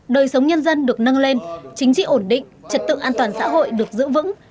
đời sống nhân dân được nâng lên chính trị ổn định trật tự an toàn xã hội được giữ vững